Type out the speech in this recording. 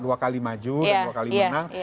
dua kali maju dan dua kali menang